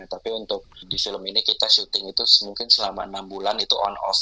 tapi untuk di film ini kita syuting itu mungkin selama enam bulan itu on off